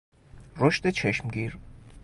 رشد چشمگیر